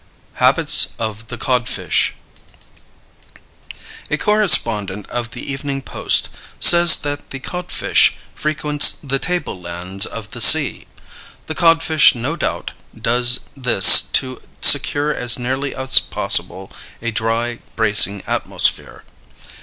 _ HABITS OF THE CODFISH. A correspondent of the Evening Post says that the codfish frequents "the table lands of the sea." The codfish no doubt does this to secure as nearly as possible a dry, bracing atmosphere.